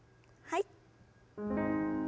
はい。